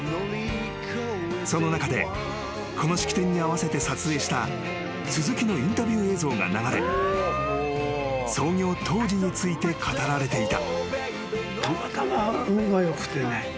［その中でこの式典に合わせて撮影した鈴木のインタビュー映像が流れ創業当時について語られていた］